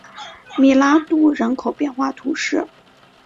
米拉杜人口变化图示